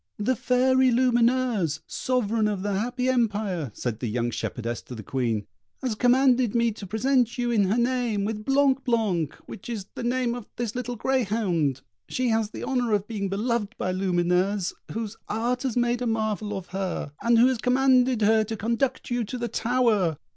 "The Fairy Lumineuse, Sovereign of the Happy Empire," said the young shepherdess to the Queen, "has commanded me to present you, in her name, with 'Blanc blanc,' which is the name of this little greyhound; she has the honour of being beloved by Lumineuse, whose art has made a marvel of her, and who has commanded her to conduct you to the tower.